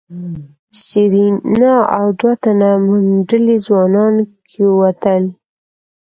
سېرېنا او دوه تنه منډلي ځوانان کېوتل.